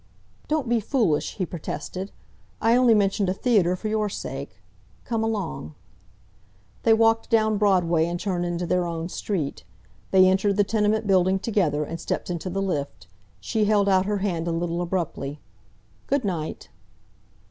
"Don't be foolish," he protested. "I only mentioned a theatre for your sake. Come along." They walked down Broadway and turned into their own street. They entered the tenement building together and stepped into the lift. She held out her hand a little abruptly. "Good night!"